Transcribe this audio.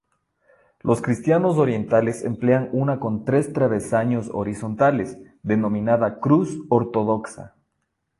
Los cristianos orientales emplean una con tres travesaños horizontales denominada cruz ortodoxa.